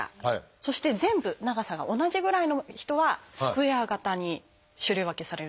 そして全部長さが同じぐらいの人は「スクエア型」に種類分けされるんですね。